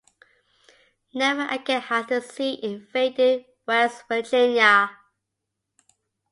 Never again has the sea invaded West Virginia.